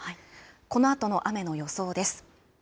このあとの雨の予想です。